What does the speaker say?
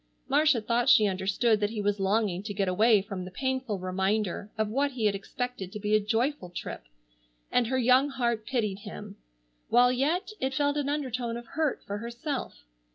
Marcia thought she understood that he was longing to get away from the painful reminder of what he had expected to be a joyful trip, and her young heart pitied him, while yet it felt an undertone of hurt for herself.